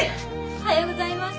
おはようございます。